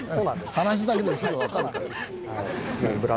話だけですぐ分かるから。